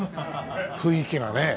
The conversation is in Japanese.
雰囲気がね。